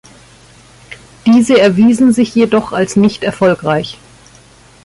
Diese erwiesen sich jedoch als nicht erfolgreich.